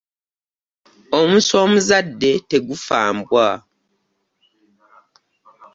Omusu omuzadde tegufa mbwa .